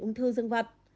ung thư dương vật